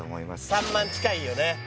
３万近いよね